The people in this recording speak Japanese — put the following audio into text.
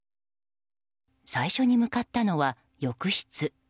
最初に向かったのは浴室。